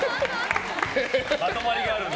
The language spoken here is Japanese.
まとまりがあるね。